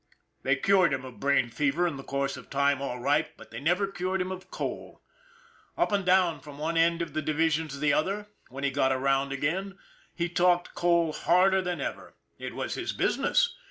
They cured him of brain fever in the course of time all right, but they never cured him of coal. Up and down from one end of the division to the other, when he got around again, he talked coal harder than ever it was his business.